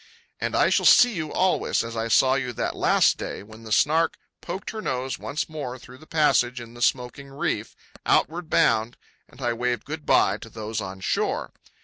And I shall see you always as I saw you that last day, when the Snark poked her nose once more through the passage in the smoking reef, outward bound, and I waved good bye to those on shore.